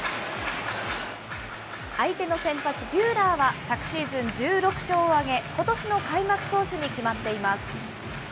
相手の先発、ビューラーは昨シーズン１６勝を挙げ、ことしの開幕投手に決まっています。